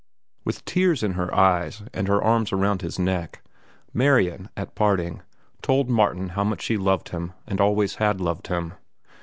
With tears in her eyes and her arms around his neck, Marian, at parting, told Martin how much she loved him and always had loved him.